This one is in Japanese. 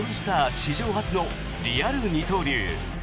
史上初のリアル二刀流。